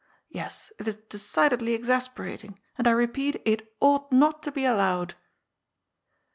Yes, it is decidedly exasperating, and I repeat, it ought not to be allowed."